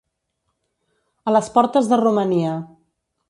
A les portes de Romania.